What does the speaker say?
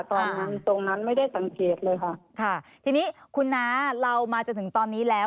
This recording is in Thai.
ตรงนั้นตรงนั้นไม่ได้สังเกตเลยค่ะค่ะทีนี้คุณน้าเรามาจนถึงตอนนี้แล้ว